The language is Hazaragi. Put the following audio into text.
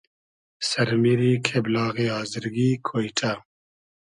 سئر میری کېبلاغی آزرگی کۉیݖۂ